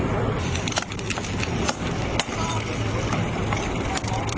กรุณักสนุนสักครั้งเกิดเกิดกันกัน